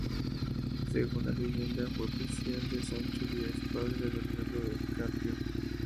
Según la leyenda, fue prisión de Sancho Díaz, padre de Bernardo del Carpio.